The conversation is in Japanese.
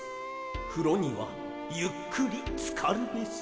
「ふろにはゆっくりつかるべし」